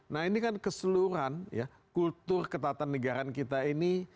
nah ini kan keseluruhan ya kultur ketatanegaraan kita ini